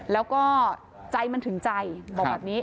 แล้วก็ใจมันถึงใจบอกแบบนี้